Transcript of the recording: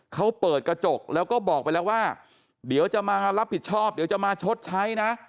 เขาเปิดกระจกแล้วก็บอกไปแล้วว่าเดี๋ยวจะมารับผิดชอบเดี๋ยวจะมาชดใช้นะ